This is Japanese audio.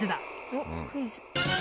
おっクイズ。